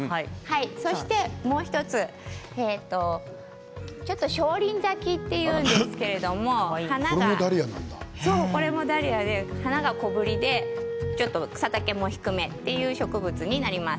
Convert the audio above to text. そしてもう１つ小輪咲きというんですけれどもこれもダリアで花が小ぶりで、ちょっと背丈も低くめという植物になります。